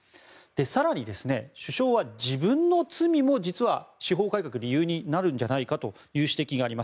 更に、首相は自分の罪も実は司法改革の理由になるんじゃないかとしています。